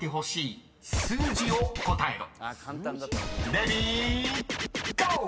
［レディーゴー！］